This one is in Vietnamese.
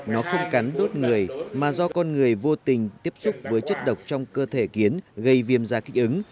nó không cắn đốt người mà do con người vô tình tiếp xúc với chất độc trong cơ thể kiến gây viêm da kích ứng